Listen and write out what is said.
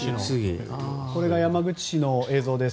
これが山口市の映像です。